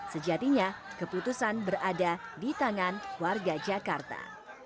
sejatinya keputusan berada di tangan warga jakarta